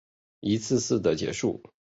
一次次的结束